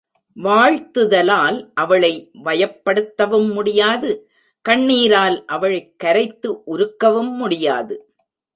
வாழ்த்துதலால் அவளை வயப்படுத்தவும் முடியாது கண்ணீரால் அவளைக் கரைத்து உருக்கவும் முடியாது.